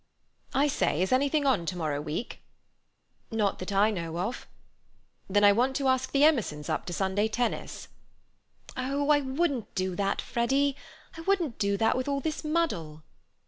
"I say, is anything on to morrow week?" "Not that I know of." "Then I want to ask the Emersons up to Sunday tennis." "Oh, I wouldn't do that, Freddy, I wouldn't do that with all this muddle."